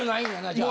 じゃあ。